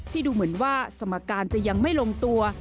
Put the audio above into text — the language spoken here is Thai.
ดูเหมือนว่าสมการจะยังไม่ลงตัว